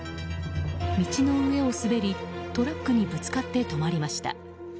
道の上を滑り、トラックにぶつかって止まりました。